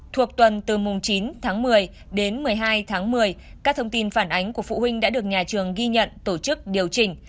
thuộc tuần từ mùng chín tháng một mươi đến một mươi hai tháng một mươi các thông tin phản ánh của phụ huynh đã được nhà trường ghi nhận tổ chức điều chỉnh